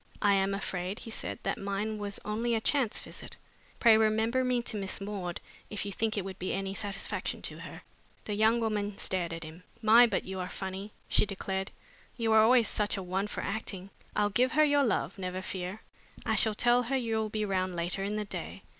"I am afraid," he said, "that mine was only a chance visit. Pray remember me to Miss Maud, if you think it would be any satisfaction to her." The young woman stared at him. "My, but you are funny!" she declared. "You were always such a one for acting! I'll give her your love, never fear. I shall tell her you'll be round later in the day.